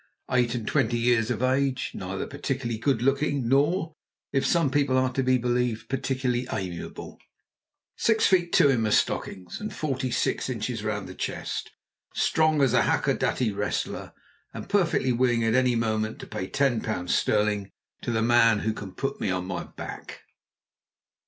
Eight and twenty years of age, neither particularly good looking nor, if some people are to be believed, particularly amiable, six feet two in my stockings, and forty six inches round the chest; strong as a Hakodate wrestler, and perfectly willing at any moment to pay ten pounds sterling to the man who can put me on my back.